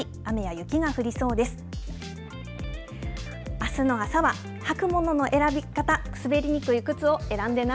あすの朝は、履くものの選び方、滑りにくい靴を選んでな。